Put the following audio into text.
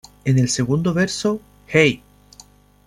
En el segundo verso, "Hey!